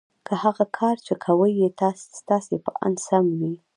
که هغه کار چې کوئ یې ستاسې په اند سم وي